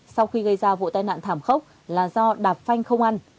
sau khi gây ra vụ tai nạn thảm khốc là do đạp phanh không ăn